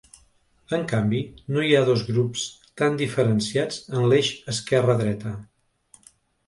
En canvi, no hi ha dos grups tan diferenciats en l’eix esquerra-dreta.